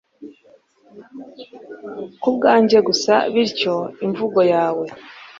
kubwanjye gusa - bityo imvugo yawe